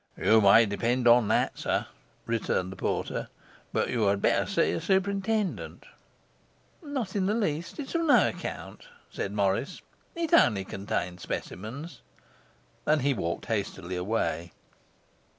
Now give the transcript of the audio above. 'You may depend on that, sir,' returned the porter. 'But you had better see the superintendent.' 'Not in the least; it's of no account,' said Morris. 'It only contained specimens.' And he walked hastily away.